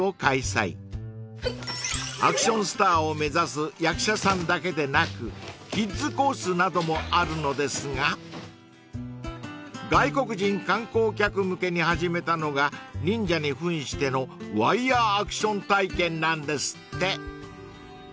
［アクションスターを目指す役者さんだけでなくキッズコースなどもあるのですが外国人観光客向けに始めたのが忍者に扮してのワイヤーアクション体験なんですって］